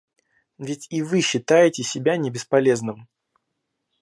Ведь и вы считаете себя не бесполезным.